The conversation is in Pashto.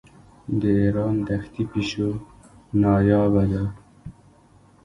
د ایران دښتي پیشو نایابه ده.